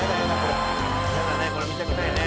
「イヤだねこれ見たくないね」